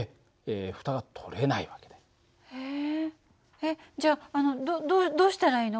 えっじゃああのどどうしたらいいの？